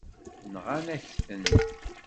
Nɣan-ak-ten.